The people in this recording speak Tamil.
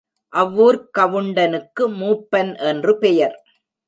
அவ்வூர்க் கவுண்டனுக்கு மூப்பன் என்று பெயர்.